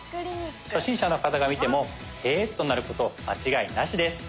初心者の方が見ても「へぇ」となること間違いなしです。